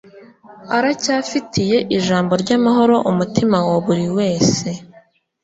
aracyafitiye ijambo ry'amahoro umutima wa buri wese.